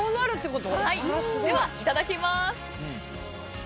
では、いただきます。